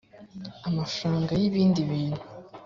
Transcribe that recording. amafaranga y ibindi bintu